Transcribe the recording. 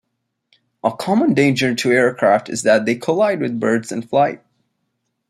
A common danger to aircraft is that they collide with birds in flight.